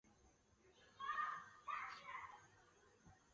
独立式圣安得烈十字有一个骨架来支撑整个十字。